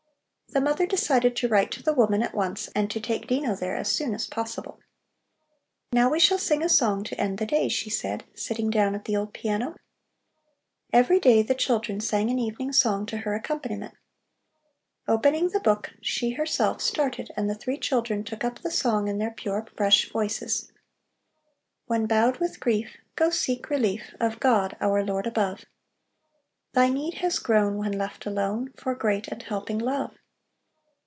The mother decided to write to the woman at once and to take Dino there as soon as possible. "Now we shall sing a song to end the day," she said, sitting down at the old piano. Every day the children sang an evening song to her accompaniment. Opening the book she herself started and the three children took up the song with their pure, fresh voices: When bowed with grief, Go seek relief Of God, our Lord above. UP IN THE TOP STORY Thy need has grown, When left alone, For great and helping love.